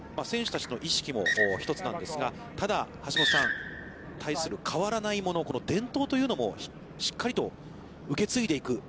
選手たちの意識も１つなんですが、ただ、橋下さん、対する変わらないもの、伝統というのもしっかりと受け継いでいく。